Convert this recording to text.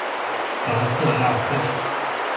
隆瑟纳克。